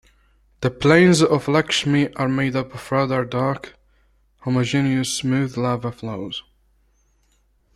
The plains of Lakshmi are made up of radar-dark, homogeneous, smooth lava flows.